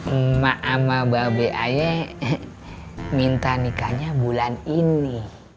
emak ama babi ayah minta nikahnya bulan ini